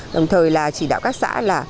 đồng thời là chỉ đạo các xã là